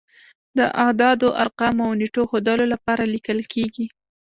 د اعدادو، ارقامو او نېټو د ښودلو لپاره لیکل کیږي.